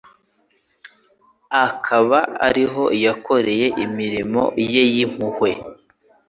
akaba ariho yakoreye imirimo ye y'impuhwe,